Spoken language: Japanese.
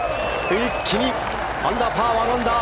一気にアンダーパーに並んだ。